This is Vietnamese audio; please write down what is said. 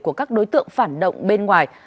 của các đối tượng phản động bên ngoài